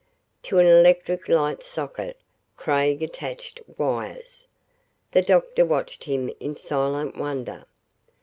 To an electric light socket, Craig attached wires. The doctor watched him in silent wonder.